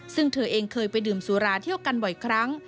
ซึ่งเธอเองเคยไปดื่มสุราเที่ยวกันบ่อยครั้ง